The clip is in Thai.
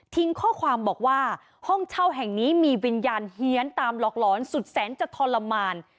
ข้อความบอกว่าห้องเช่าแห่งนี้มีวิญญาณเฮียนตามหลอกหลอนสุดแสนจะทรมาน